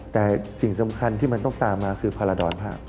แต่สิ่งสำคัญที่มันต้องตามมาคือพาราดรภาพ